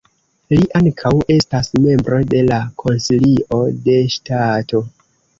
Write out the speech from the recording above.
Li ankaŭ estas membro de la Konsilio de Ŝtato.